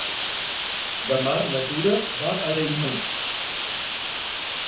Demà na Tura va a Daimús.